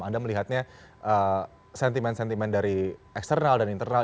anda melihatnya sentimen sentimen dari eksternal dan internal